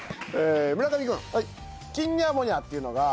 村上君。